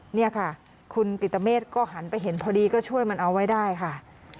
นี่ค่ะคุณปิตเมฆก็หันไปเห็นพอดีก็ช่วยมันเอาไว้ได้ค่ะ